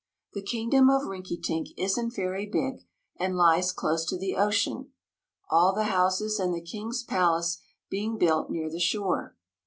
The Kingdom of Rinkitink isn't very big and lies close to the ocean, all the houses and the King's palace being built near the shore.